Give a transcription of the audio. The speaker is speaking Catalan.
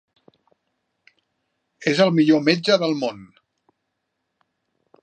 És el millor metge del món.